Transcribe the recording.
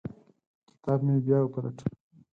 کتاب مې بیا وپلټه.